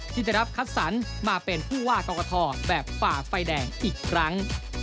ที่จะรับคัดสรรค์มาเป็นผู้ว่ากล่องกะทอแบบฝ่าไฟแดงอีกครั้ง